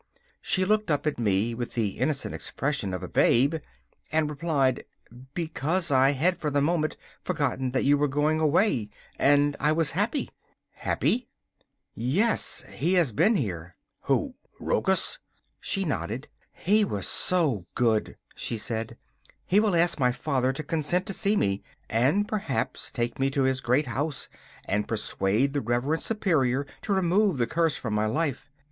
She looked up at me with the innocent expression of a babe, and replied: 'Because I had for the moment forgotten that you were going away, and I was happy.' 'Happy?' 'Yes he has been here.' 'Who? Rochus?' She nodded. 'He was so good,' she said. 'He will ask his father to consent to see me, and perhaps take me to his great house and persuade the Reverend Superior to remove the curse from my life.